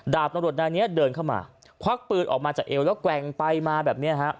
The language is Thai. ดาบตำรวจนายนี้เดินเข้ามาควักปืนออกมาจากเอวแล้วแกว่งไปมาแบบเนี้ยฮะ